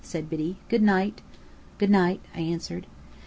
said Biddy. "Good night!" "Good night!" I answered.